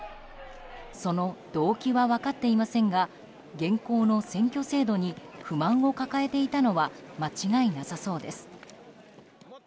その動機は分かっていませんが現行の選挙制度に不満を抱えていたのは間違いなさそうです。